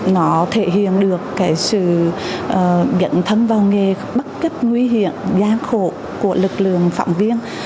nó thể hiện được cái sự dẫn thân vào nghề bất chấp nguy hiểm gian khổ của lực lượng phạm viên